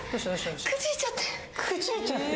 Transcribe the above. くじいちゃって！？